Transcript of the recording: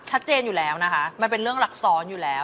ชัดเจนอยู่แล้วนะคะมันเป็นเรื่องรักซ้อนอยู่แล้ว